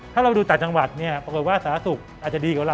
ถ้าเราดูต่างจังหวัดเนี่ยปรากฏว่าสาธารณสุขอาจจะดีกว่าเรา